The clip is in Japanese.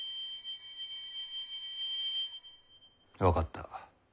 分かった。